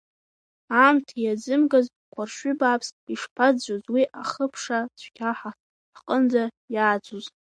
Аамҭа иазымгаз қәаршҩы бааԥск ишԥаӡәӡәоз, уи ахыԥша цәгьа ҳа ҳҟынӡа иааӡон.